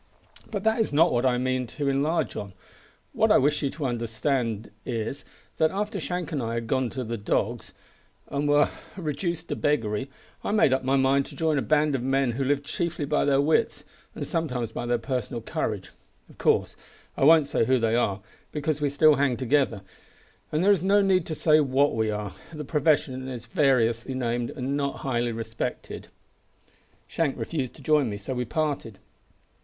But that is not what I mean to enlarge on. What I wish you to understand is, that after Shank and I had gone to the dogs, and were reduced to beggary, I made up my mind to join a band of men who lived chiefly by their wits, and sometimes by their personal courage. Of course I won't say who they are, because we still hang together, and there is no need to say what we are. The profession is variously named, and not highly respected. "Shank refused to join me, so we parted.